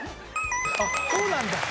あっそうなんだ。